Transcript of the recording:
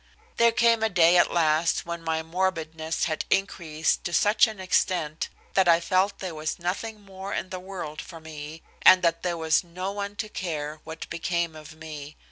There came a day at last when my morbidness had increased to such an extent that I felt there was nothing more in the world for me, and that there was no one to care what became of me.